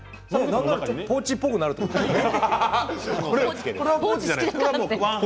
ポーチっぽくなるということね。